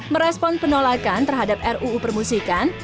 merespon penolakan terhadap ruu permusikan